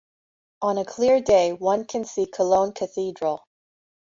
On a clear day, one can see Cologne cathedral.